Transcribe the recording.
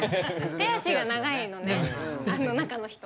手足が長いのね中の人。